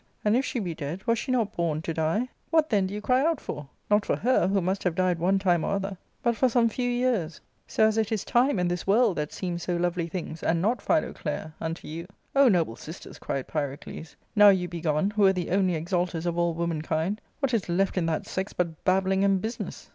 And, if she be dead, was she not born to die ? What, 348 ARCADrA.—Book IIL then, do you cry out for ? Not for her, who must have died one time or other, but for some few years ; so as it is time and this world that seem so lovely things, and not Philoclea, unto you." " O noble sisters," cried Pyrocles, " now you be gone, who were the only exalters of all womankind, what is left in that sex but babbling and business